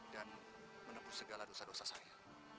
dan menembus segala dosa dosa saya